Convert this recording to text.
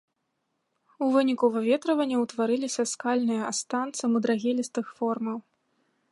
У выніку выветрывання ўтварыліся скальныя астанцы мудрагелістых формаў.